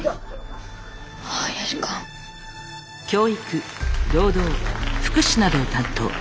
教育労働福祉などを担当。